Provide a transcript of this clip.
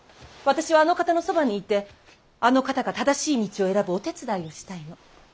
私はあの方のそばにいてあの方が正しい道を選ぶお手伝いをしたいの。